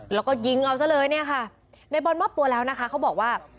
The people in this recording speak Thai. แล้วก็ยิงเอาซะเลยเนี่ยค่ะในบอลมอบตัวแล้วนะคะเขาบอกว่า